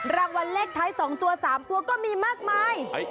รางวัลเลขไทยสองตัวสามตัวก็มีมากมาย